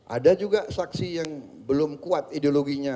ada juga saksi yang belum kuat ideologinya